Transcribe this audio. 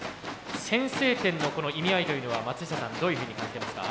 先制点のこの意味合いというのは松下さんどういうふうに感じてますか？